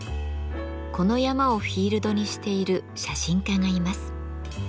この山をフィールドにしている写真家がいます。